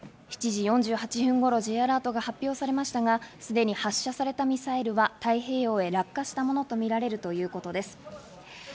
７時４８分頃、Ｊアラートが発表されましたが、すでに発射されたミサイルは太平洋へ落下したものとみられるということです。